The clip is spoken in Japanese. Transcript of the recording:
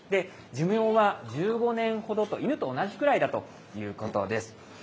寿命は１５年ほどと、犬と同じくらいだということです。